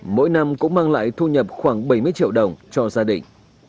mỗi năm cũng mang lại thu nhập khoảng bảy mươi triệu đồng cho gia đình